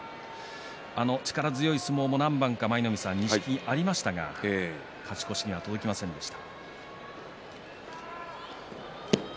力強い相撲も何番か錦木はありましたが勝ち越しには届きませんでした。